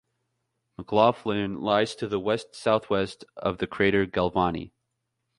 McLaughlin lies to the west-southwest of the crater Galvani.